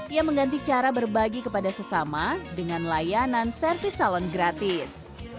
ia mengganti cara berbagi kepada sesama dengan layanan servis salon gratis